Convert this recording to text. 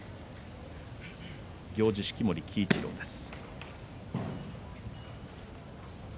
行司、式守鬼一郎です。